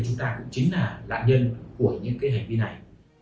chúng ta cũng chính là nạn nhân của những cái hành vi này